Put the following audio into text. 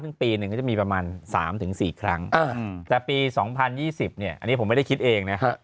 ซึ่งปีหนึ่งก็จะมีประมาณ๓๔ครั้งแต่ปี๒๐๒๐เนี่ยอันนี้ผมไม่ได้คิดเองนะ